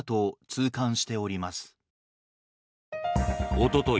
おととい